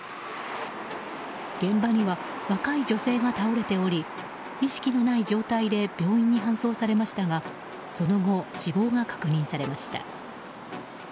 現場には若い女性が倒れており意識のない状態で病院に搬送されましたがその後、死亡が確認されました。